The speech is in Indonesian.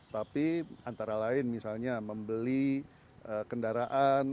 tapi antara lain misalnya membeli kendaraan